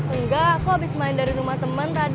enggak aku abis main dari rumah temen tadi